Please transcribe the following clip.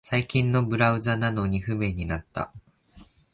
最新のブラウザなのに不便になった